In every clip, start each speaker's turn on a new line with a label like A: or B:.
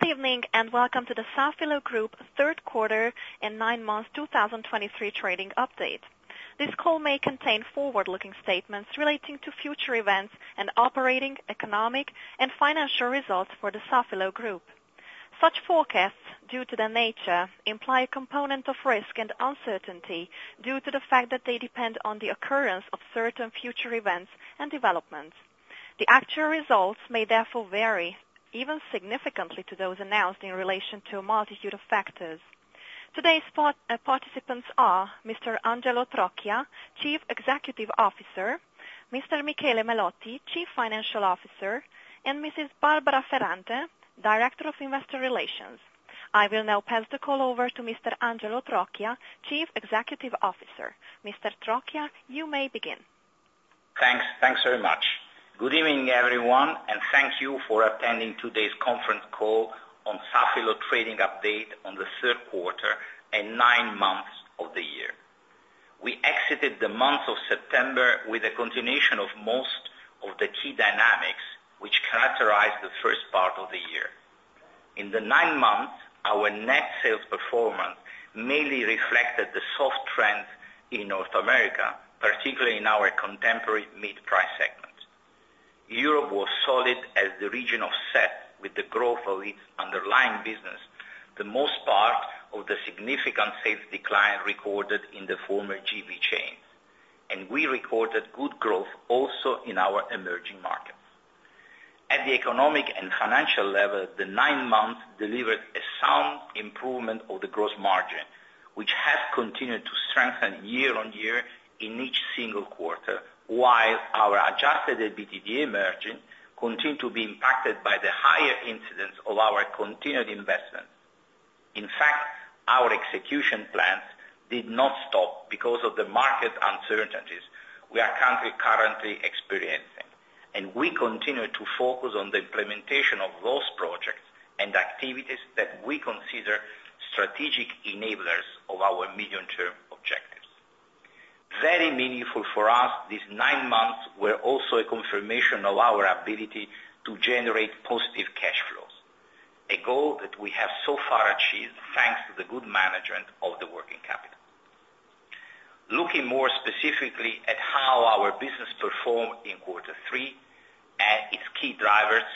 A: Good evening, and welcome to the Safilo Group third quarter and nine months 2023 trading update. This call may contain forward-looking statements relating to future events and operating, economic, and financial results for the Safilo Group. Such forecasts, due to their nature, imply a component of risk and uncertainty due to the fact that they depend on the occurrence of certain future events and developments. The actual results may therefore vary, even significantly, to those announced in relation to a multitude of factors. Today's participants are Mr. Angelo Trocchia, Chief Executive Officer, Mr. Michele Melotti, Chief Financial Officer, and Mrs. Barbara Ferrante, Director of Investor Relations. I will now pass the call over to Mr. Angelo Trocchia, Chief Executive Officer. Mr. Trocchia, you may begin.
B: Thanks. Thanks very much. Good evening, everyone, and thank you for attending today's conference call on Safilo trading update on the third quarter and nine months of the year. We exited the month of September with a continuation of most of the key dynamics, which characterized the first part of the year. In the nine months, our net sales performance mainly reflected the soft trends in North America, particularly in our contemporary mid-price segments. Europe was solid as the region offset with the growth of its underlying business, the most part of the significant sales decline recorded in the former GV chain. We recorded good growth also in our emerging markets. At the economic and financial level, the nine months delivered a sound improvement of the gross margin, which has continued to strengthen year-on-year in each single quarter, while our adjusted EBITDA margin continued to be impacted by the higher incidence of our continued investment. In fact, our execution plans did not stop because of the market uncertainties we are currently experiencing, and we continue to focus on the implementation of those projects and activities that we consider strategic enablers of our medium-term objectives. Very meaningful for us, these nine months were also a confirmation of our ability to generate positive cash flows, a goal that we have so far achieved, thanks to the good management of the working capital. Looking more specifically at how our business performed in quarter three and its key drivers,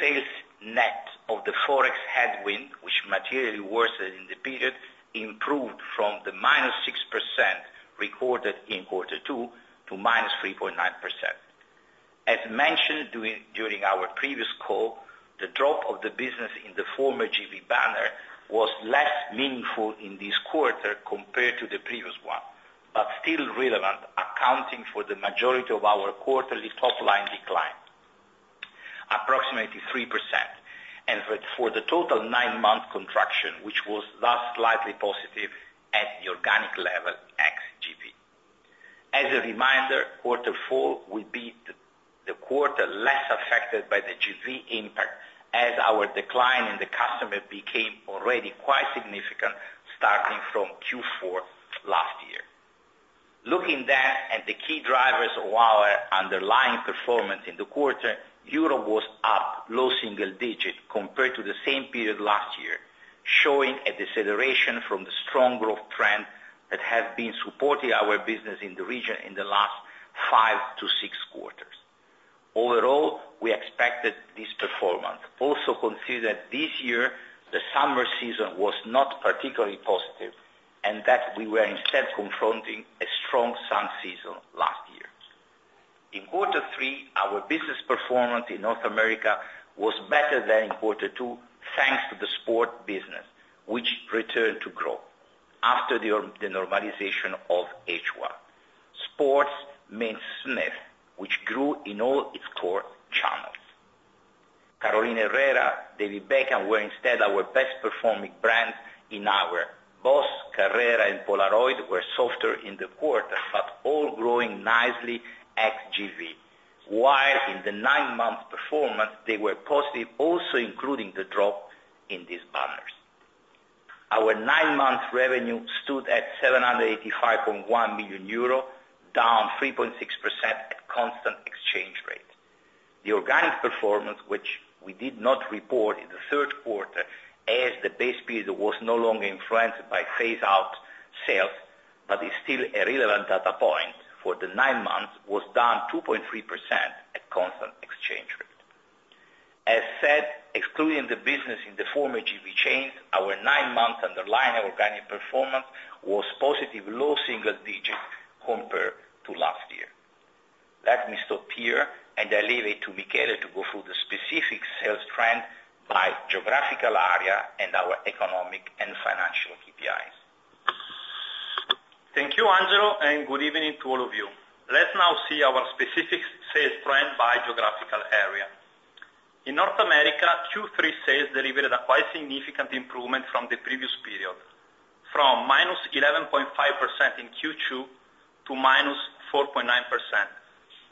B: sales net of the Forex headwind, which materially worsened in the period, improved from the -6% recorded in quarter two to -3.9%. As mentioned during our previous call, the drop of the business in the former GV banner was less meaningful in this quarter compared to the previous one, but still relevant, accounting for the majority of our quarterly top-line decline, approximately 3%, and for the total nine-month contraction, which was thus slightly positive at the organic level ex-GV. As a reminder, quarter four will be the quarter less affected by the GV impact, as our decline in the customer became already quite significant starting from Q4 last year. Looking then at the key drivers of our underlying performance in the quarter, Europe was up low single digits compared to the same period last year, showing a deceleration from the strong growth trend that has been supporting our business in the region in the last five to six quarters. Overall, we expected this performance. Also, consider this year, the summer season was not particularly positive, and that we were instead confronting a strong sun season last year. In quarter three, our business performance in North America was better than in quarter two, thanks to the sport business, which returned to growth after the normalization of H1. Sports means Smith, which grew in all its core channels. Carolina Herrera, David Beckham, were instead our best-performing brand in our Boss, Carrera, and Polaroid were softer in the quarter, but all growing nicely ex-GV, while in the nine-month performance, they were positive, also including the drop in these banners. Our nine-month revenue stood at 785.1 million euro, down 3.6% at constant exchange rate. The organic performance, which we did not report in the third quarter, as the base period, was no longer influenced by phase-out sales, but is still a relevant data point for the nine months, was down 2.3% at constant exchange rate. As said, excluding the business in the former GV chains, our nine-month underlying organic performance was positive, low single-digit compared to last year. Let me stop here, and I leave it to Michele to go through the specific sales trend by geographical area and our economic and financial KPIs.
C: Thank you, Angelo, and good evening to all of you. Let's now see our specific sales trend by geographical area. In North America, Q3 sales delivered a quite significant improvement from the previous period, from -11.5% in Q2 to -4.9%,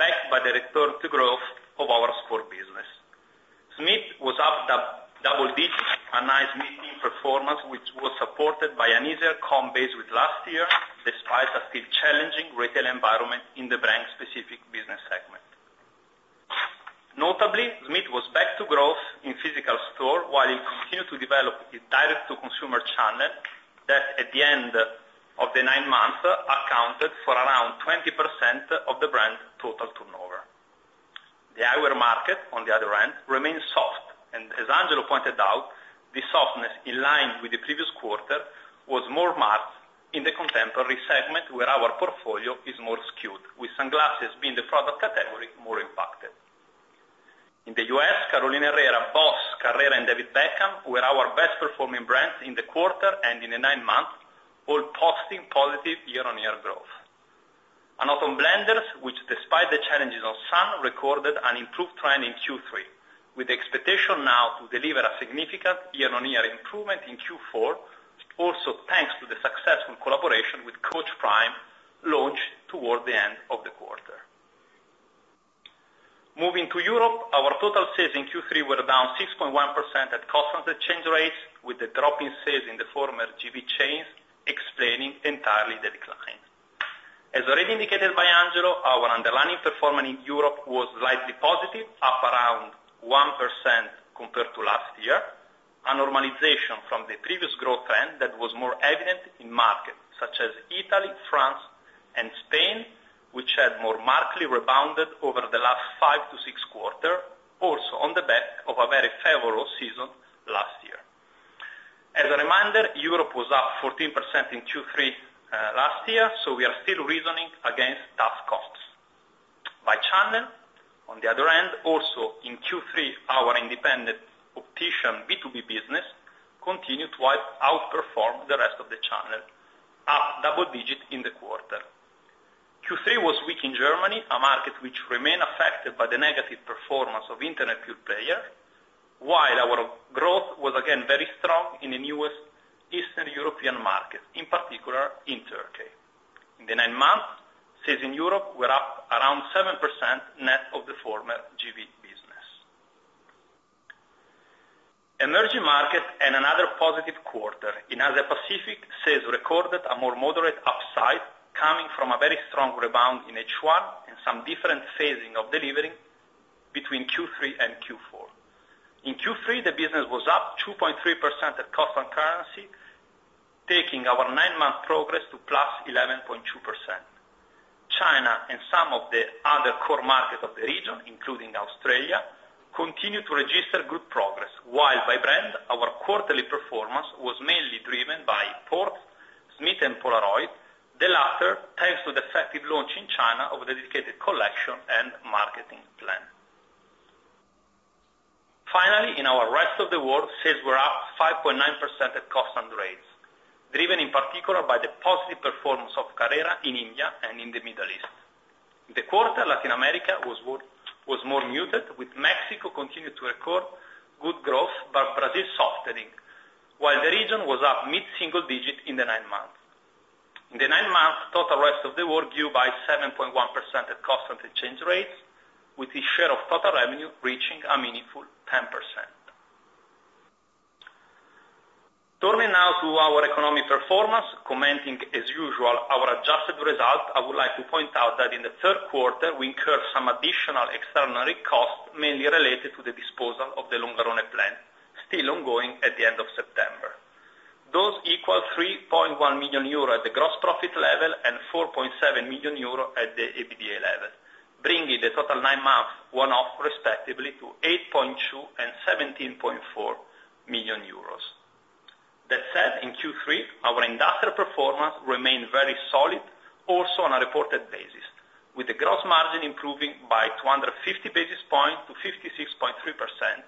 C: backed by the return to growth of our sport business. Smith was up double digits, a nice meaty performance, which was supported by an easier comp base with last year, despite a still challenging retail environment in the brand-specific business areas. Notably, Smith was back to growth in physical store, while it continued to develop its direct-to-consumer channel, that at the end of the nine months, accounted for around 20% of the brand's total turnover. The eyewear market, on the other hand, remains soft, and as Angelo pointed out, the softness in line with the previous quarter was more marked in the contemporary segment, where our portfolio is more skewed, with sunglasses being the product category more impacted. In the U.S., Carolina Herrera, Boss, Carrera, and David Beckham were our best performing brands in the quarter and in the nine months, all posting positive year-on-year growth. And autumn Blenders, which despite the challenges of sun, recorded an improved trend in Q3, with the expectation now to deliver a significant year-on-year improvement in Q4, also thanks to the successful collaboration with Coach Prime, launched toward the end of the quarter. Moving to Europe, our total sales in Q3 were down 6.1% at constant exchange rates, with the drop in sales in the former GV chains explaining entirely the decline. As already indicated by Angelo, our underlying performance in Europe was slightly positive, up around 1% compared to last year. A normalization from the previous growth trend that was more evident in markets such as Italy, France, and Spain, which had more markedly rebounded over the last five to six quarters, also on the back of a very favorable season last year. As a reminder, Europe was up 14% in Q3 last year, so we are still reasoning against tough costs. By channel, on the other hand, also in Q3, our independent optician B2B business continued to outperform the rest of the channel, up double-digit in the quarter. Q3 was weak in Germany, a market which remained affected by the negative performance of Internet Pure Player, while our growth was again very strong in the newest Eastern European markets, in particular in Turkey. In the nine months, sales in Europe were up around 7%, net of the former GV business. Emerging markets and another positive quarter. In Asia Pacific, sales recorded a more moderate upside, coming from a very strong rebound in H1 and some different phasing of delivery between Q3 and Q4. In Q3, the business was up 2.3% at constant currency, taking our nine-month progress to +11.2%. China and some of the other core markets of the region, including Australia, continued to register good progress, while by brand, our quarterly performance was mainly driven by Ports, Smith, and Polaroid, the latter, thanks to the effective launch in China of the dedicated collection and marketing plan. Finally, in our rest of the world, sales were up 5.9% at constant rates, driven in particular by the positive performance of Carrera in India and in the Middle East. In the quarter, Latin America was was more muted, with Mexico continuing to record good growth, but Brazil softening, while the region was up mid-single digit in the nine months. In the nine months, total rest of the world grew by 7.1% at constant exchange rates, with the share of total revenue reaching a meaningful 10%. Turning now to our economic performance, commenting as usual, our adjusted results, I would like to point out that in the third quarter, we incurred some additional extraordinary costs, mainly related to the disposal of the Longarone plant, still ongoing at the end of September. Those equal 3.1 million euro at the gross profit level, and 4.7 million euro at the EBITDA level, bringing the total nine months one-off, respectively, to 8.2 million and 17.4 million euros. That said, in Q3, our industrial performance remained very solid, also on a reported basis, with the gross margin improving by 250 basis points to 56.3%,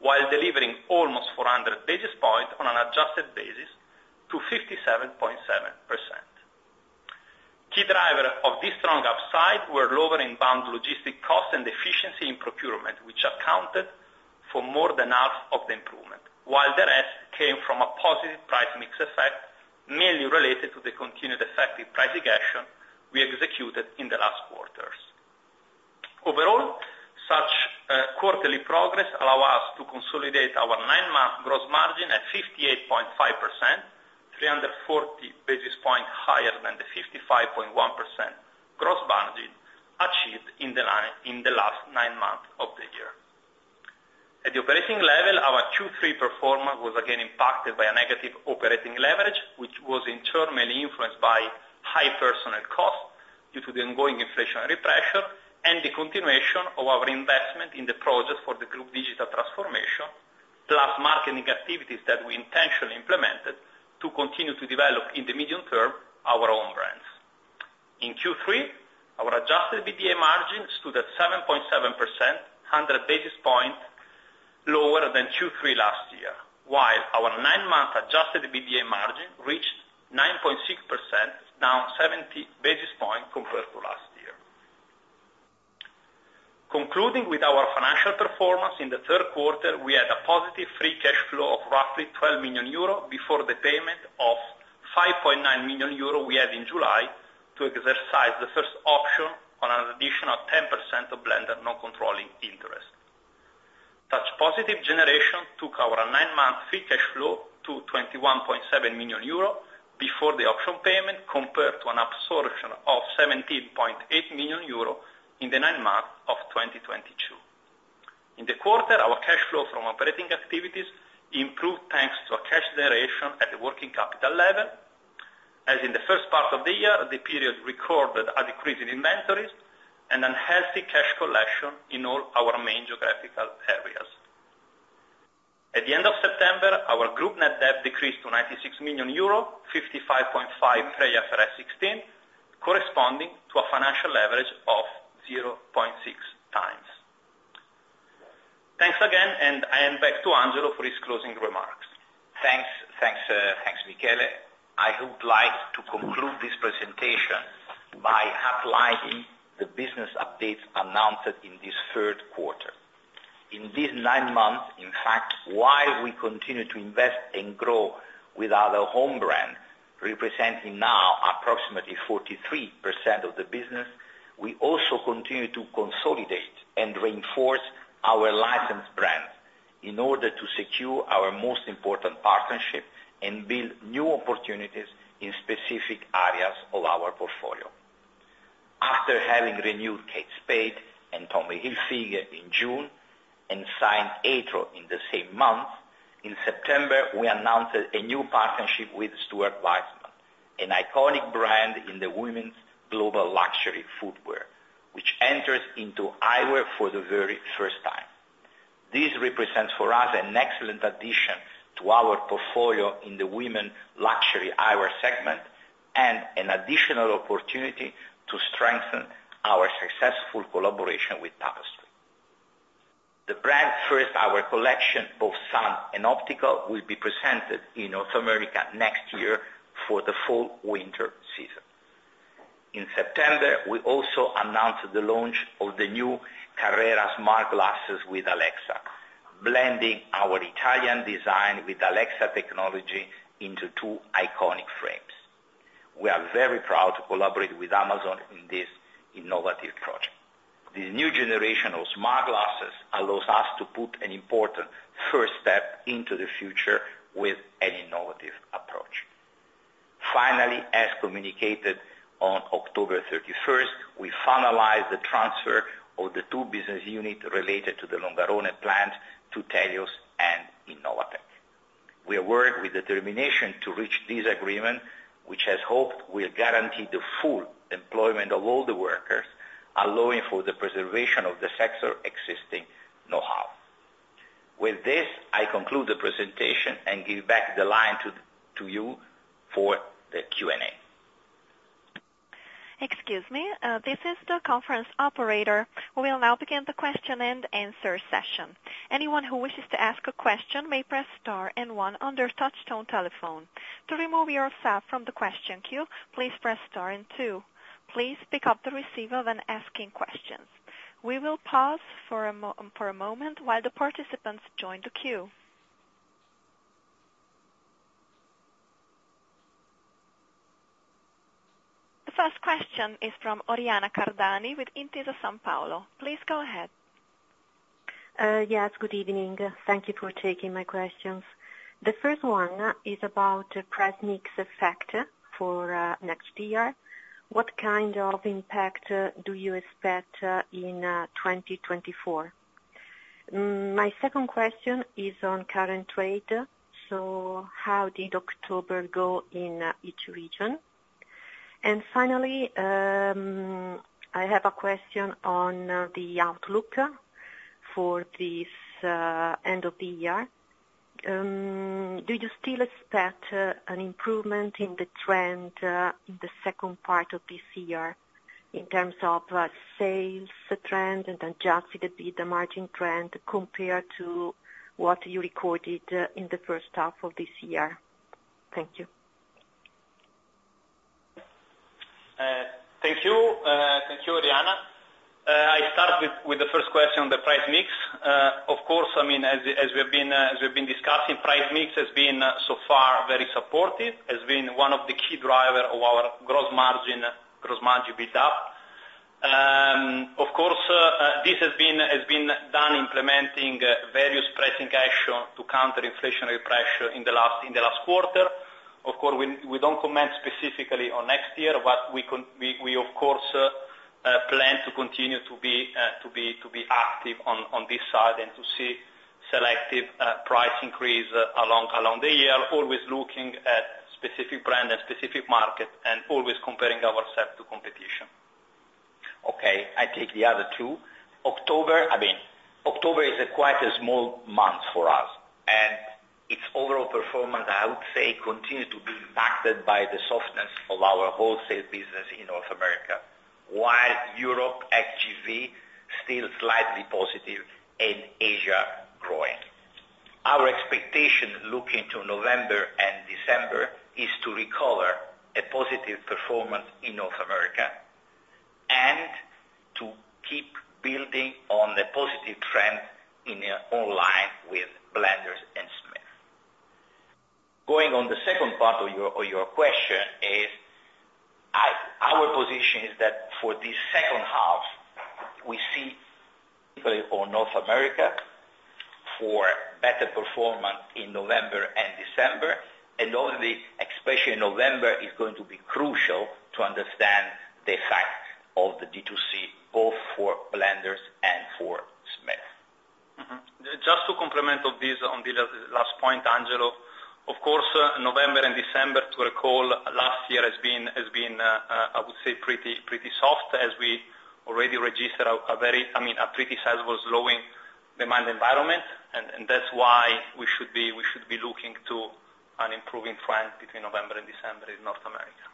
C: while delivering almost 400 basis points on an adjusted basis to 57.7%. Key driver of this strong upside were lower inbound logistic costs and efficiency in procurement, which accounted for more than half of the improvement, while the rest came from a positive price/mix effect, mainly related to the continued effective pricing action we executed in the last quarters. Overall, such quarterly progress allows us to consolidate our nine-month gross margin at 58.5%, 340 basis points higher than the 55.1% gross margin achieved in the last nine months of the year. At the operating level, our Q3 performance was again impacted by a negative operating leverage, which was in turn mainly influenced by high personnel costs, due to the ongoing inflationary pressure and the continuation of our investment in the project for the group digital transformation, plus marketing activities that we intentionally implemented to continue to develop, in the medium term, our own brands. In Q3, our adjusted EBITDA margin stood at 7.7%, 100 basis points lower than Q3 last year, while our nine-month adjusted EBITDA margin reached 9.6%, down 70 basis points compared to last year. Concluding with our financial performance, in the third quarter, we had a positive free cash flow of roughly 12 million euro, before the payment of 5.9 million euro we had in July to exercise the first option on an additional 10% of Blenders non-controlling interest. Positive generation took our nine-month free cash flow to 21.7 million euro before the option payment, compared to an absorption of 17.8 million euro in the nine months of 2022. In the quarter, our cash flow from operating activities improved, thanks to a cash generation at the working capital level. As in the first part of the year, the period recorded a decrease in inventories and then healthy cash collection in all our main geographical areas. At the end of September, our Group net debt decreased to 96 million euro, 55.5 million pre-IFRS 16, corresponding to a financial leverage of 0.6x. Thanks again, and I hand back to Angelo for his closing remarks.
B: Thanks. Thanks, thanks, Michele. I would like to conclude this presentation by highlighting the business updates announced in this third quarter. In these nine months, in fact, while we continue to invest and grow with other home brands, representing now approximately 43% of the business, we also continue to consolidate and reinforce our licensed brands in order to secure our most important partnership and build new opportunities in specific areas of our portfolio. After having renewed Kate Spade and Tommy Hilfiger in June and signed Etro in the same month, in September, we announced a new partnership with Stuart Weitzman, an iconic brand in the women's global luxury footwear, which enters into eyewear for the very first time. This represents for us an excellent addition to our portfolio in the women's luxury eyewear segment, and an additional opportunity to strengthen our successful collaboration with Tapestry. The brand's first eyewear collection, both sun and optical, will be presented in North America next year for the fall/winter season. In September, we also announced the launch of the new Carrera smart glasses with Alexa, blending our Italian design with Alexa technology into two iconic frames. We are very proud to collaborate with Amazon in this innovative project. This new generation of smart glasses allows us to put an important first step into the future with an innovative approach. Finally, as communicated on October 31st, we finalized the transfer of the two business unit related to the Longarone plant to Thélios and Innovatek. We worked with determination to reach this agreement, which has hoped will guarantee the full employment of all the workers, allowing for the preservation of the sector existing know-how. With this, I conclude the presentation and give back the line to you for the Q&A.
A: Excuse me, this is the conference operator. We will now begin the question-and-answer session. Anyone who wishes to ask a question may press star and one on their touch-tone telephone. To remove yourself from the question queue, please press star and two. Please pick up the receiver when asking questions. We will pause for a moment while the participants join the queue. The first question is from Oriana Cardani with Intesa Sanpaolo. Please go ahead.
D: Yes, good evening. Thank you for taking my questions. The first one is about price/mix effect for next year. What kind of impact do you expect in 2024? My second question is on current trade. So how did October go in each region? And finally, I have a question on the outlook for this end of the year. Do you still expect an improvement in the trend in the second part of this year in terms of sales trend and then just the EBITDA margin trend, compared to what you recorded in the first half of this year? Thank you.
C: Thank you, thank you, Oriana. I start with the first question on the price/mix. Of course, I mean, as we've been discussing, price/mix has been so far very supportive, has been one of the key driver of our gross margin, gross margin build-up. Of course, this has been done implementing various pricing action to counter inflationary pressure in the last quarter. Of course, we don't comment specifically on next year, but we, of course, plan to continue to be active on this side and to see selective price increase along the year, always looking at specific brand and specific market, and always comparing ourselves to competition.
B: Okay, I take the other two. October, I mean, October is quite a small month for us, and its overall performance, I would say, continues to be impacted by the softness of our wholesale business in North America. While Europe, ex-GV, still slightly positive and Asia growing. Our expectation looking to November and December is to recover a positive performance in North America, and to keep building on the positive trend in online with Blenders and Smith. Going on the second part of your, of your question is, our position is that for this second half, we see for North America, for better performance in November and December, and obviously, especially November, is going to be crucial to understand the effect of the D2C, both for Blenders and for Smith.
C: Mm-hmm. Just to complement of this, on the last point, Angelo, of course, November and December, to recall, last year has been pretty soft, as we already registered a very, I mean, a pretty sizable slowing demand environment. That's why we should be looking to an improving trend between November and December in North America.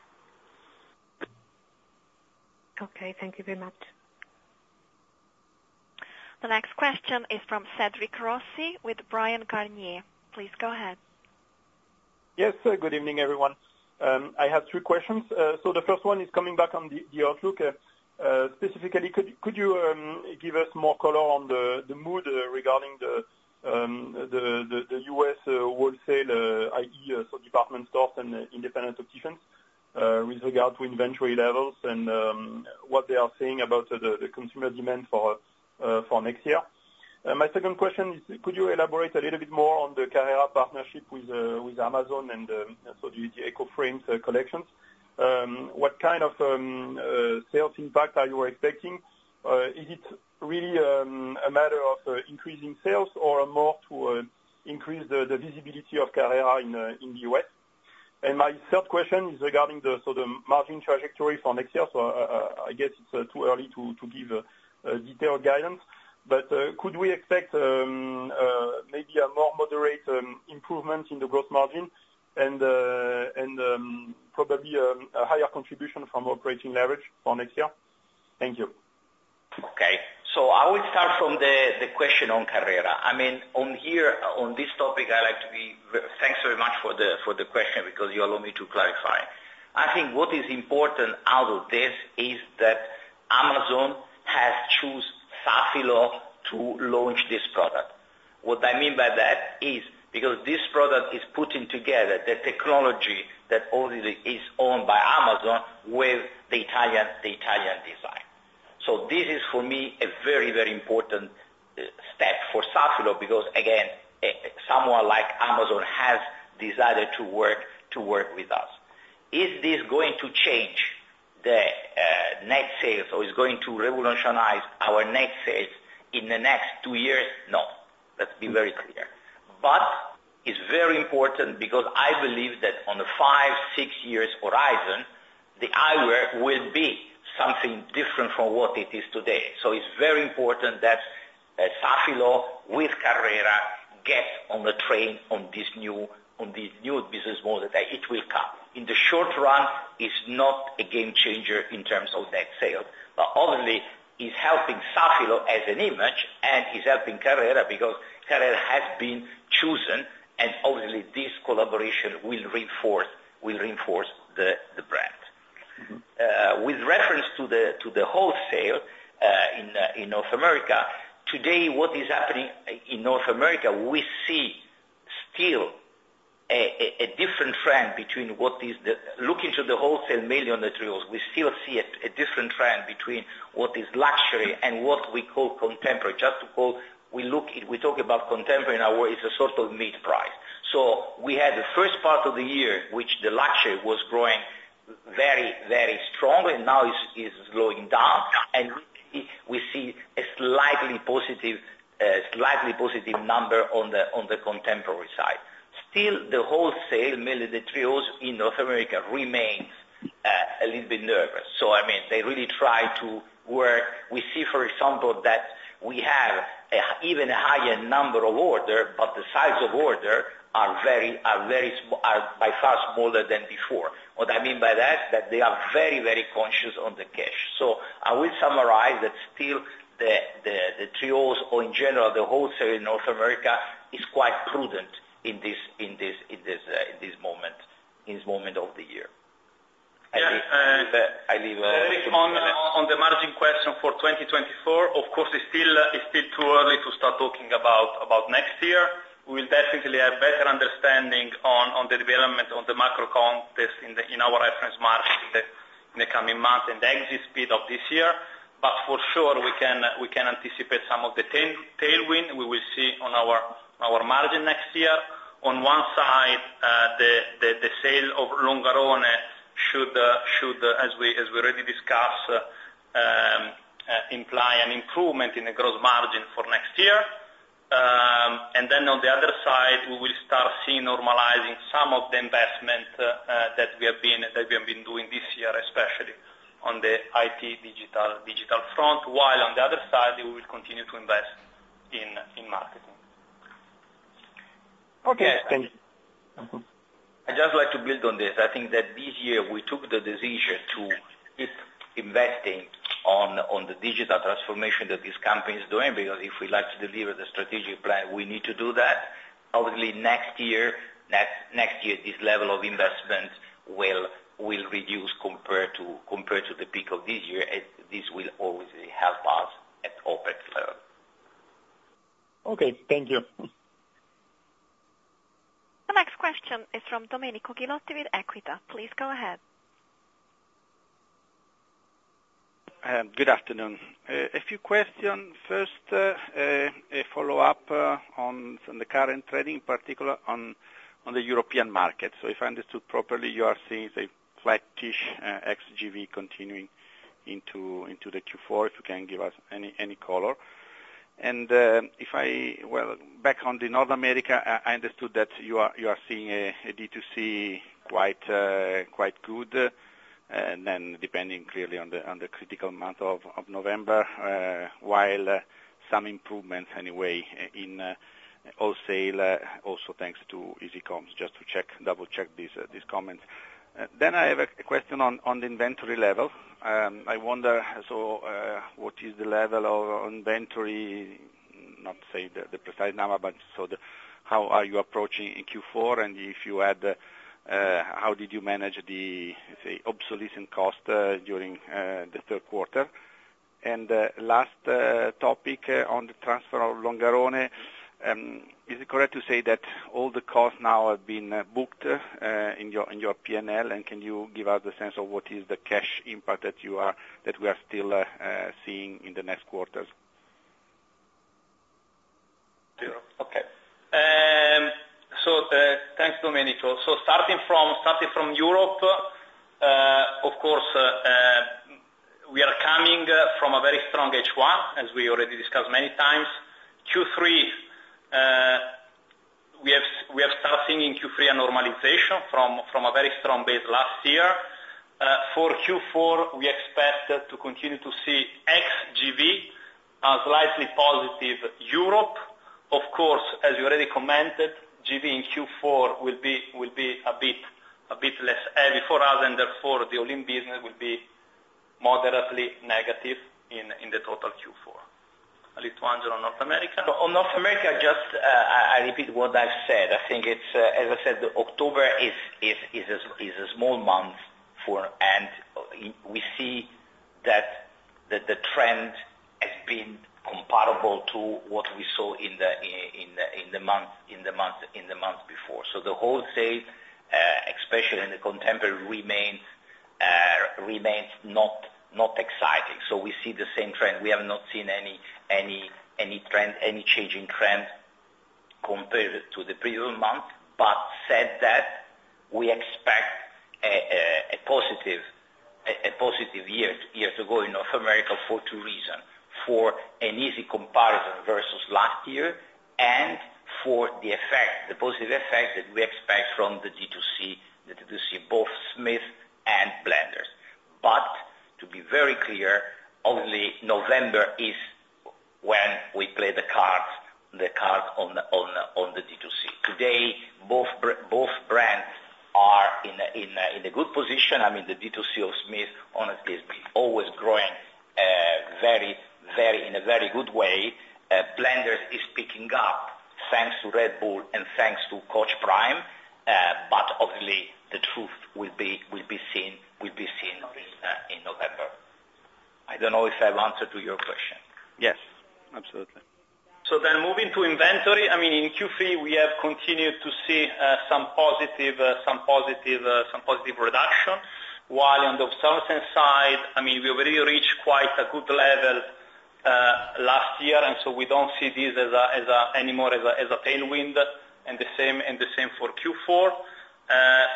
D: Okay, thank you very much.
A: The next question is from Cedric Rossi with Bryan Garnier. Please go ahead.
E: Yes, good evening, everyone. I have three questions. So the first one is coming back on the outlook. Specifically, could you give us more color on the mood regarding the U.S. wholesale, i.e., so department stores and independent opticians, with regard to inventory levels and what they are saying about the consumer demand for next year? My second question is, could you elaborate a little bit more on the Carrera partnership with Amazon and so the Echo Frames collection? What kind of sales impact are you expecting? Is it really a matter of increasing sales or more to increase the visibility of Carrera in the U.S.? And my third question is regarding the margin trajectory for next year. So, I guess it's too early to give a detailed guidance, but could we expect maybe a more moderate improvement in the gross margin and probably a higher contribution from operating leverage for next year? Thank you.
B: Okay. So I will start from the question on Carrera. I mean, on here, on this topic. Thanks very much for the question, because you allow me to clarify. I think what is important out of this is that Amazon has choose Safilo to launch this product. What I mean by that is, because this product is putting together the technology that already is owned by Amazon with the Italian design. So this is, for me, a very, very important step for Safilo, because, again, someone like Amazon has decided to work with us. Is this going to change the net sales, or is going to revolutionize our net sales in the next two years? No, let's be very clear. But it's very important because I believe that on the five, six years horizon, the eyewear will be something different from what it is today. So it's very important that Safilo, with Carrera, get on the train on this new business model that it will come. In the short run, it's not a game changer in terms of net sale, but obviously, it's helping Safilo as an image, and it's helping Carrera, because Carrera has been chosen, and obviously, this collaboration will reinforce the brand. With reference to the wholesale in North America, today, what is happening in North America, we still see a different trend between what is luxury and what we call contemporary. Just to clarify, we look, we talk about contemporary. In our way, it's a sort of mid-price. So we had the first part of the year, in which the luxury was growing very, very strongly, and now is slowing down, and we see a slightly positive, a slightly positive number on the contemporary side. Still, the wholesale multichannel retailers in North America remain a little bit nervous. So, I mean, they really try to work. We see, for example, that we have even a higher number of orders, but the size of orders are very, very small, by far smaller than before. What I mean by that is that they are very, very conscious on the cash. I will summarize that still the trade or in general, the wholesale in North America is quite prudent in this moment of the year.
C: Yeah, uh-
B: I leave.
C: On the margin question for 2024, of course, it's still too early to start talking about next year. We'll definitely have better understanding on the development of the macro context in our reference market in the coming months and the exit speed of this year. But for sure, we can anticipate some of the tailwind we will see on our margin next year. On one side, the sale of Longarone should, as we already discussed, imply an improvement in the gross margin for next year. And then on the other side, we will start seeing normalizing some of the investment that we have been doing this year, especially on the IT digital front, while on the other side, we will continue to invest in marketing.
E: Okay, thank you.
B: I'd just like to build on this. I think that this year we took the decision to keep investing on the digital transformation that this company is doing, because if we like to deliver the strategic plan, we need to do that. Obviously, next year, this level of investment will reduce compared to the peak of this year, and this will obviously help us to operate further.
E: Okay, thank you.
A: The next question is from Domenico Ghilotti with Equita. Please go ahead.
F: Good afternoon. A few questions. First, a follow-up on the current trading, particular on the European market. So if I understood properly, you are seeing a flattish ex-GV continuing into the Q4, if you can give us any color. And, well, back on the North America, I understood that you are seeing a D2C quite good, and then depending clearly on the critical month of November, while some improvements anyway, in wholesale, also thanks to easy comps, just to check, double check these comments. Then I have a question on the inventory level. I wonder, so, what is the level of inventory? Not, say, the precise number, but how are you approaching in Q4, and how did you manage the obsolescence cost during the third quarter? And last topic on the transfer of Longarone, is it correct to say that all the costs now have been booked in your P&L? And can you give us a sense of what is the cash impact that we are still seeing in the next quarters?
C: Zero. Okay. Thanks, Domenico. So starting from Europe, of course, we are coming from a very strong H1, as we already discussed many times. Q3, we are starting in Q3, a normalization from a very strong base last year. For Q4, we expect to continue to see ex-GV, a slightly positive Europe. Of course, as you already commented, GV in Q4 will be a bit less heavy for us, and therefore, the overall business will be moderately negative in the total Q4. Now, Angelo, North America?
B: On North America, just, I repeat what I've said. I think it's, as I said, October is a small month for, and we see that the trend has been comparable to what we saw in the month before. So the wholesale, especially in the contemporary, remains not exciting. So we see the same trend. We have not seen any trend, any change in trend compared to the previous month, but said that we expect a positive year to go in North America for two reason: for an easy comparison versus last year, and for the effect, the positive effect that we expect from the D2C, the D2C, both Smith and Blenders. But to be very clear, only November is when we play the cards on the D2C. Today, both brands are in a good position. I mean, the D2C of Smith honestly is always growing in a very good way. Blenders is picking up thanks to Red Bull and thanks to Coach Prime, but obviously the truth will be seen in November. I don't know if I've answered to your question.
F: Yes, absolutely.
C: So then moving to inventory, I mean, in Q3, we have continued to see some positive reduction, while on the southern side, I mean, we already reached quite a good level last year, and so we don't see this as any more as a tailwind, and the same for Q4.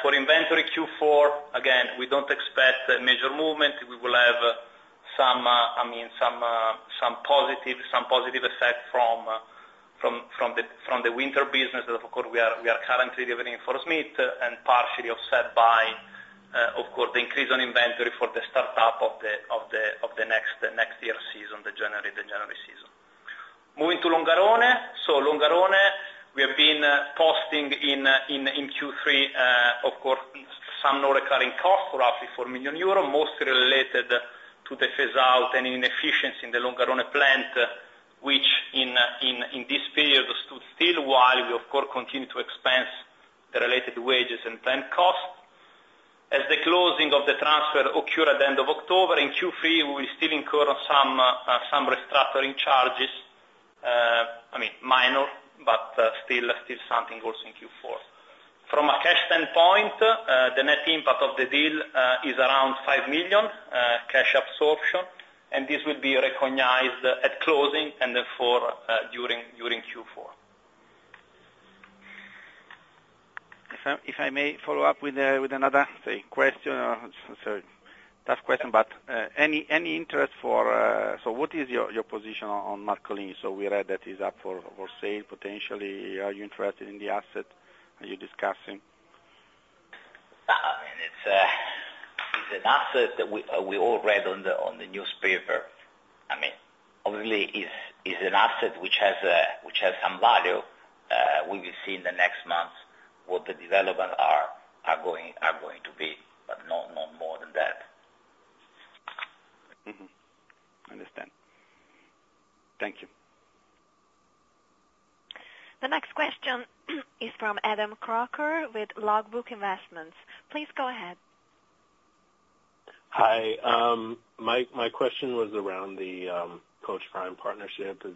C: For inventory Q4, again, we don't expect a major movement. We will have some, I mean, some positive effect from the winter business. Of course, we are currently delivering for Smith and partially offset by, of course, the increase on inventory for the startup of the next year's season, the January season. Moving to Longarone. Longarone, we have been posting in Q3, of course, some non-recurring costs, roughly 4 million euros, mostly related to the phase out and inefficiency in the Longarone plant, which in this period stood still, while we of course continue to expense the related wages and plant costs. As the closing of the transfer occurred at the end of October, in Q3, we still incur some restructuring charges, I mean, minor, but still something also in Q4. From a cash standpoint, the net impact of the deal is around 5 million cash absorption, and this will be recognized at closing and therefore during Q4.
F: If I may follow up with another, say, question, so tough question, but any interest for, so what is your position on Marcolin? So we read that it is up for sale potentially. Are you interested in the asset? Are you discussing?
B: I mean, it's an asset that we all read on the newspaper. I mean, obviously, it's an asset which has some value. We will see in the next months what the development are going to be, but no more than that.
F: Mm-hmm. I understand. Thank you.
A: The next question is from Adam Crocker with Logbook Investments. Please go ahead.
G: Hi, my question was around the Coach Prime partnership, is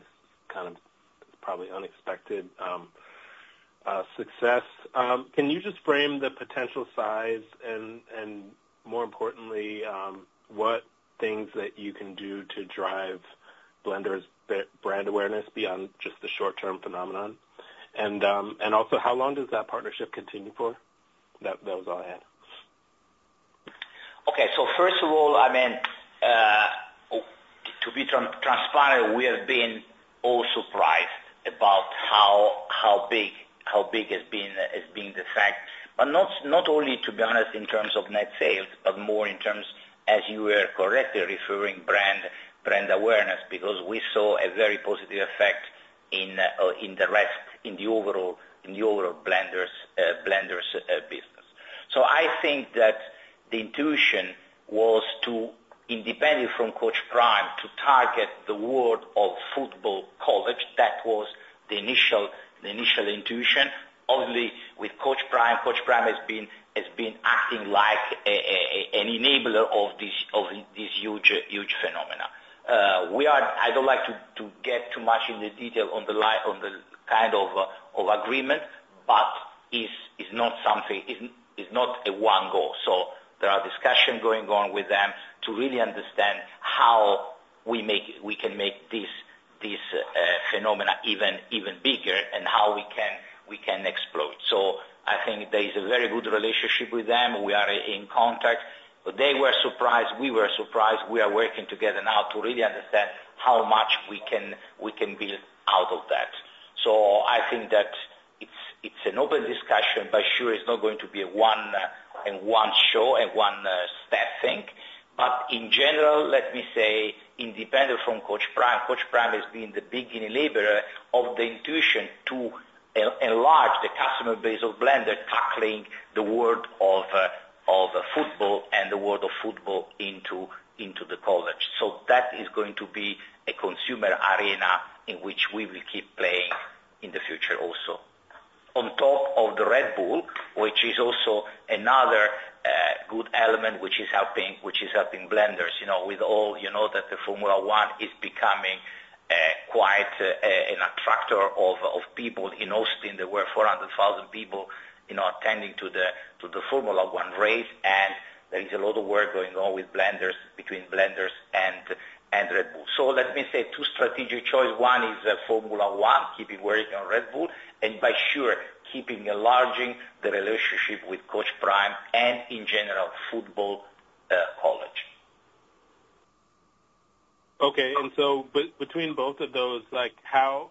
G: kind of probably unexpected success. Can you just frame the potential size and, more importantly, what things that you can do to drive Blenders brand awareness beyond just the short-term phenomenon? And also how long does that partnership continue for? That was all I had.
B: Okay. So first of all, I mean, to be transparent, we have been all surprised about how big the fact has been, but not only, to be honest, in terms of net sales, but more in terms, as you were correctly referring, brand awareness, because we saw a very positive effect in the overall Blenders business. So I think that the intuition was to, independent from Coach Prime, to target the world of football college. That was the initial intuition. Obviously, with Coach Prime, Coach Prime has been acting like an enabler of this huge phenomena. We are, I don't like to get too much into detail on the kind of agreement, but it is not something, it is not a one goal. So there are discussions going on with them to really understand how we can make this phenomena even bigger and how we can explore it. So I think there is a very good relationship with them. We are in contact. They were surprised, we were surprised. We are working together now to really understand how much we can build out of that. So I think that it's an open discussion, but sure, it's not going to be a one and one show and one step thing. But in general, let me say, independent from Coach Prime, Coach Prime has been the big enabler of the intuition to enlarge the customer base of Blenders, tackling the world of football and the world of football into the college. So that is going to be a consumer arena in which we will keep playing in the future also. On top of the Red Bull, which is also another good element, which is helping Blenders, you know, with all, you know, that the Formula 1 is becoming quite an attractor of people. In Austin, there were 400,000 people, you know, attending the Formula 1 race, and there is a lot of work going on with Blenders, between Blenders and Red Bull. So let me say two strategic choice. One is Formula 1, keeping working on Red Bull, and by sure, keeping enlarging the relationship with Coach Prime, and in general, football college.
G: Okay. And so between both of those, like, how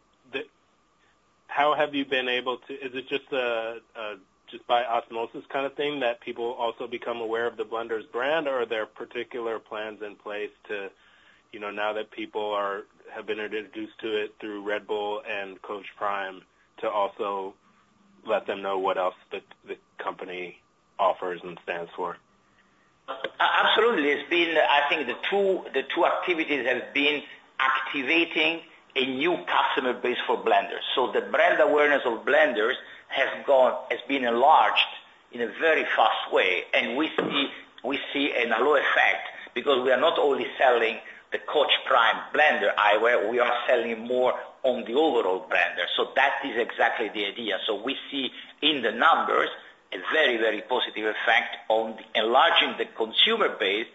G: have you been able to - is it just by osmosis kind of thing, that people also become aware of the Blenders brand, or are there particular plans in place to, you know, now that people are, have been introduced to it through Red Bull and Coach Prime, to also let them know what else the company offers and stands for?
B: Absolutely. It's been, I think, the two, the two activities have been activating a new customer base for Blenders. So the brand awareness of Blenders has gone, has been enlarged in a very fast way, and we see, we see a halo effect, because we are not only selling the Coach Prime Blenders eyewear, we are selling more on the overall Blenders. So that is exactly the idea. So we see in the numbers, a very, very positive effect on enlarging the consumer base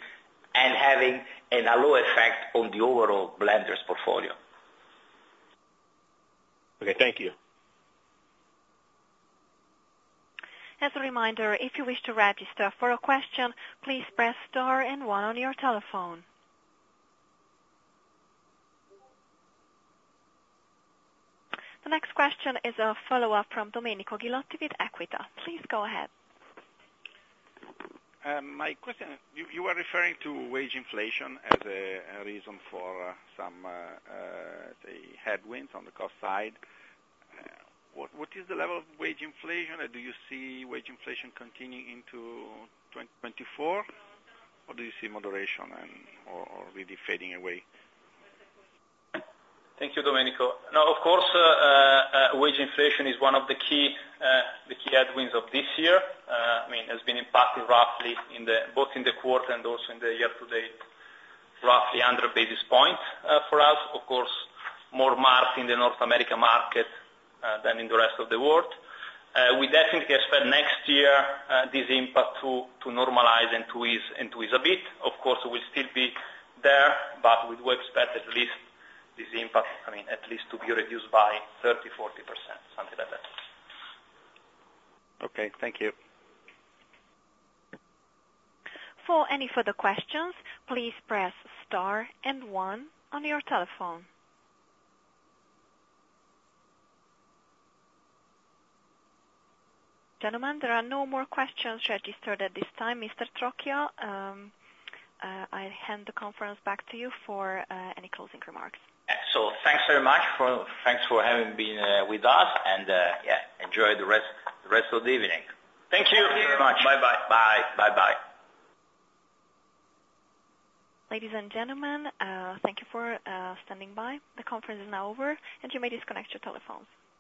B: and having a halo effect on the overall Blenders portfolio.
G: Okay, thank you.
A: As a reminder, if you wish to register for a question, please press star and one on your telephone. The next question is a follow-up from Domenico Ghilotti with Equita. Please go ahead.
F: My question, you were referring to wage inflation as a reason for some headwinds on the cost side. What is the level of wage inflation? Do you see wage inflation continuing into 2024, or do you see moderation or really fading away?
C: Thank you, Domenico. Now, of course, wage inflation is one of the key headwinds of this year. I mean, has been impacted roughly both in the quarter and also in the year to date, roughly 100 basis points for us. Of course, more marked in the North America market than in the rest of the world. We definitely expect next year this impact to normalize and to ease, and to ease a bit. Of course, it will still be there, but we do expect at least this impact, I mean, at least to be reduced by 30%-40%, something like that.
F: Okay, thank you.
A: For any further questions, please press star and one on your telephone. Gentlemen, there are no more questions registered at this time. Mr. Trocchia, I hand the conference back to you for any closing remarks.
B: Thanks very much, thanks for having been with us, and yeah, enjoy the rest of the evening.
C: Thank you very much.
B: Bye-bye. Bye. Bye-bye.
A: Ladies and gentlemen, thank you for standing by. The conference is now over, and you may disconnect your telephones.